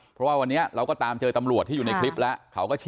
เพราะว่าวันนี้เราก็ตามเจอตำรวจที่อยู่ในคลิปแล้ว